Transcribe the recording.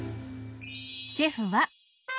シェフは。